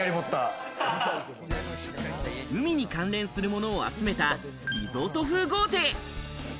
海に関連するものを集めたリゾート風豪邸。